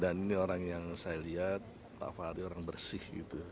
dan ini orang yang saya lihat pak fahri orang bersih